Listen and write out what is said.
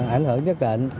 ảnh hưởng nhất định